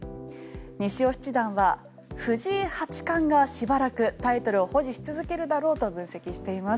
西尾七段は藤井八冠がしばらくタイトルを保持し続けるだろうと分析しています。